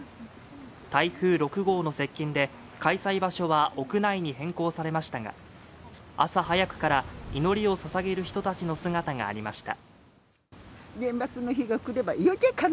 台風６号の接近で開催場所は屋内に変更されましたが朝早くから祈りをささげる人たちの姿がありました